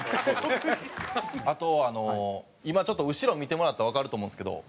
あとあの今ちょっと後ろ見てもらったらわかると思うんですけど。